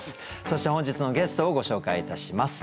そして本日のゲストをご紹介いたします。